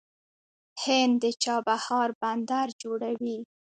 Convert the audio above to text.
هند د چابهار بندر جوړوي.